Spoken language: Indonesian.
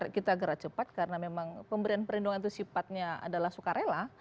kita gerak cepat karena memang pemberian perlindungan itu sifatnya adalah sukarela